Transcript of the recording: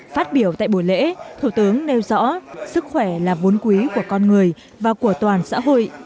phát biểu tại buổi lễ thủ tướng nêu rõ sức khỏe là vốn quý của con người và của toàn xã hội